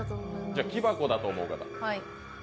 じゃ、木箱だと思う方？